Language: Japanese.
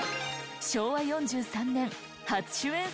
昭和４３年初主演作品は。